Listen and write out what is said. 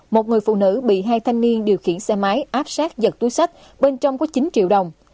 một người phụ nữ bị hai thanh niên điều khiển xe máy áp sát giật túi sách bên trong có chín triệu đồng